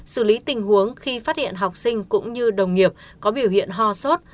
xử lý tình huống khi phát hiện học sinh cũng như đồng nghiệp có biểu hiện ho sốt